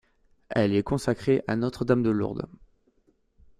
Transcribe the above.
Elle est consacrée à Notre-Dame de Lourdes.